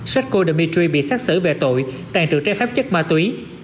seiko dimitri bị xác xử về tội tàn trữ trái phép chất ma túy